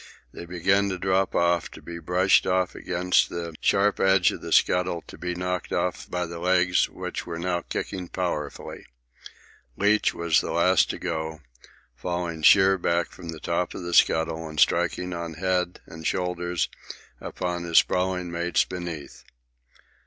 They began to drop off, to be brushed off against the sharp edge of the scuttle, to be knocked off by the legs which were now kicking powerfully. Leach was the last to go, falling sheer back from the top of the scuttle and striking on head and shoulders upon his sprawling mates beneath.